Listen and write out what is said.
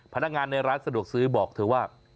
พนักงานในร้านสะดวกซื้อบอกเธอว่า